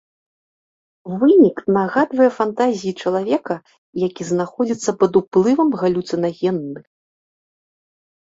Вынік нагадвае фантазіі чалавека, які знаходзіцца пад уплывам галюцынагенных.